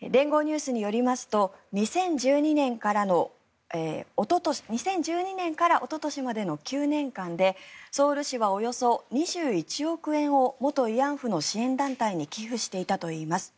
連合ニュースによりますと２０１２年からおととしまでの９年間でソウル市はおよそ２１億円を元慰安婦の支援団体に寄付していたといいます。